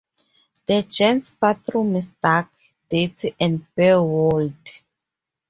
The gents' bathroom is dark, dirty and bare-walled.